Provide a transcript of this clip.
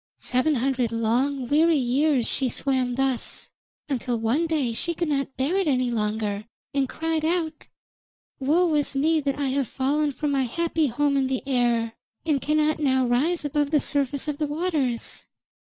Seven hundred long weary years she swam thus, until one day she could not bear it any longer, and cried out: 'Woe is me that I have fallen from my happy home in the air, and cannot now rise above the surface of the waters.